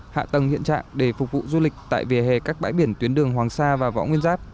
hạ tầng hiện trạng để phục vụ du lịch tại vỉa hè các bãi biển tuyến đường hoàng sa và võ nguyên giáp